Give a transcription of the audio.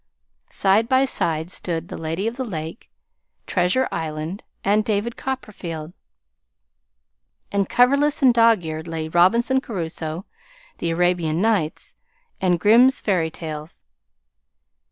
Side by side stood "The Lady of the Lake," "Treasure Island," and "David Copperfield"; and coverless and dogeared lay "Robinson Crusoe," "The Arabian Nights," and "Grimm's Fairy Tales."